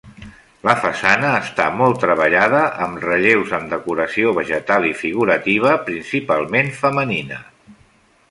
La façana està molt treballada amb relleus amb decoració vegetal i figurativa, principalment femenina.